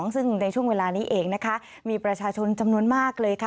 ซึ่งในช่วงเวลานี้เองนะคะมีประชาชนจำนวนมากเลยค่ะ